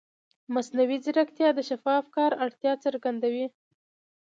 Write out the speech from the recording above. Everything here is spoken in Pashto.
مصنوعي ځیرکتیا د شفاف کار اړتیا څرګندوي.